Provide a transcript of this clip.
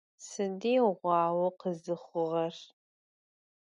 Sıdiğua vukhızıxhuğer?